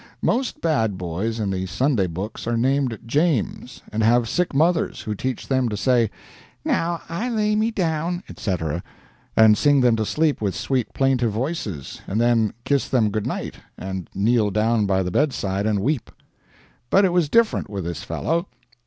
Most bad boys in the Sunday books are named James, and have sick mothers, who teach them to say, "Now, I lay me down," etc., and sing them to sleep with sweet, plaintive voices, and then kiss them good night, and kneel down by the bedside and weep. But it was different with this fellow.